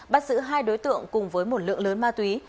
bắt giữ hai đối tượng cùng với một lượng lớn ma túy